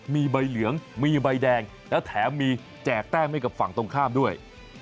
มีใบเหลืองมีใบแดงแล้วแถมมีแจกแต้มให้กับฝั่งตรงข้ามด้วย